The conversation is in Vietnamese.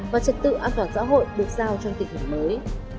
và trật tự an toàn xã hội được giao trong tình hình mới